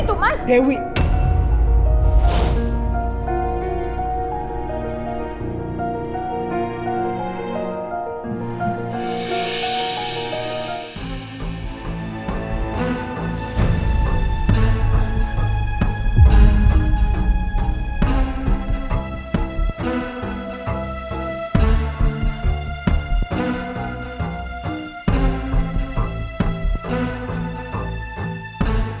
aku akan mencari cherry